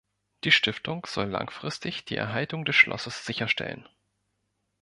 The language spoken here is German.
Die Stiftung soll langfristig die Erhaltung des Schlosses sicherstellen.